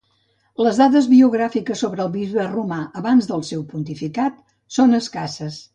Les dades biogràfiques sobre el bisbe romà abans del seu pontificat són escasses.